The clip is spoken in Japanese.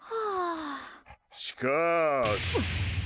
しかーし！